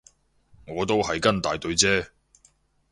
我都係跟大隊啫